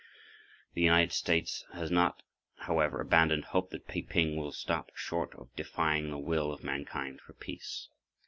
The United States has not, however, abandoned hope that Peiping will stop short of defying the will of mankind for peace.